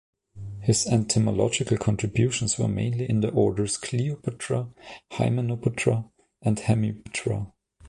His entomological contributions were mainly in the orders Coleoptera, Hymenoptera and Hemiptera.